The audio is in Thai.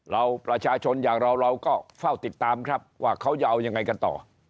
เราประชาชนอย่างเราเราก็เฝ้าติดตามครับว่าเขาจะเอายังไงกันต่อ